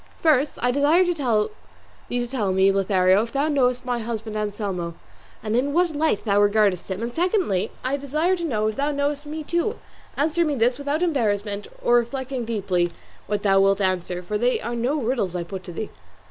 First, I desire thee to tell me, Lothario, if thou knowest my husband Anselmo, and in what light thou regardest him; and secondly I desire to know if thou knowest me too. Answer me this, without embarrassment or reflecting deeply what thou wilt answer, for they are no riddles I put to thee."